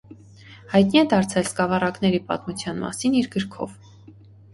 Հայտնի է դարձել սկավառակների պատմության մասին իր գրքով։